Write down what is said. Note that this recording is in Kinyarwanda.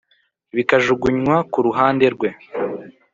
bikajugunywa kuruhande rwe